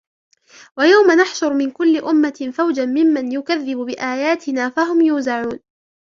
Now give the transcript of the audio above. ويوم نحشر من كل أمة فوجا ممن يكذب بآياتنا فهم يوزعون